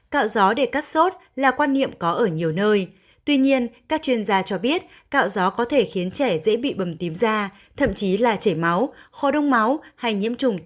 cạo gió để cắt sốt là quan niệm có ở nhiều nơi tuy nhiên các chuyên gia cho biết cạo gió có thể khiến trẻ dễ bị bầm tím da thậm chí là chảy máu khó đông máu hay nhiễm trùng